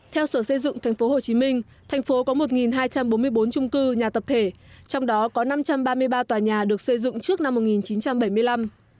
theo sở xây dựng tp hcm thành phố có một hai trăm bốn mươi bốn trung cư nhà tập thể trong đó có năm trăm ba mươi ba tòa nhà được xây dựng trước năm một nghìn chín trăm bảy mươi năm